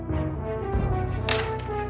aku harus melayanginya dengan baik